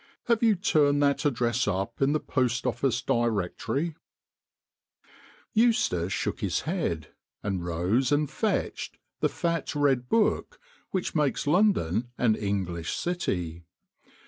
Have you turned that address up in the Post Office Directory ?" Eustace shook his head, and rose and fetched the fat red book which makes London an English city.